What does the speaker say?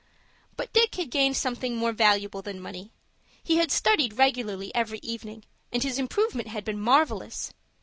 But Dick had gained something more valuable than money. He had studied regularly every evening, and his improvement had been marvellous.